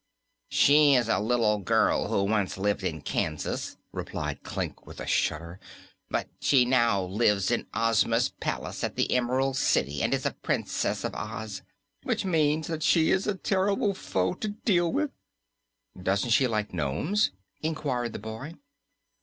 "She is a little girl who once lived in Kansas," replied Klik, with a shudder, "but she now lives in Ozma's palace at the Emerald City and is a Princess of Oz which means that she is a terrible foe to deal with." "Doesn't she like the nomes?" inquired the boy.